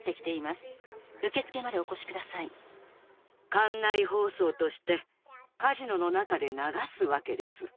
館内放送としてカジノの中で流すわけです。